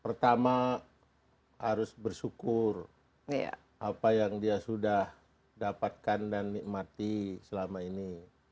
pertama harus bersyukur apa yang dia sudah dapatkan dan nikmati selama ini